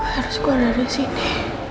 gue harus keluar dari sini